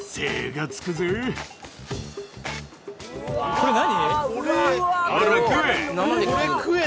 これ何？